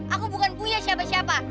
aku bukan punya siapa siapa